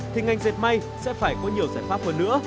thì ngành dệt may sẽ phải có nhiều giải pháp hơn nữa